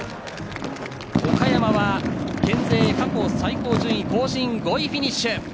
岡山は県勢過去最高順位更新の５位フィニッシュ。